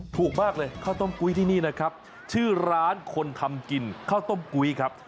ถูกมากเลยข้าวต้มกุ้ยที่นี่นะครับชื่อร้านคนทำกินข้าวต้มกุ้ยครับ